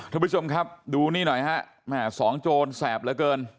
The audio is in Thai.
ทุกผู้ชมครับดูนี่หน่อยฮะแม่สองโจรแสบเหลือเกิน